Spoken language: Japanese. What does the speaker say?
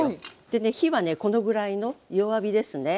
でね火はねこのぐらいの弱火ですね。